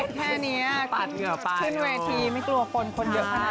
แก่งนะอียุแค่เนี้ยขึ้นเวทีไม่กลัวคนเกินขนาดนี้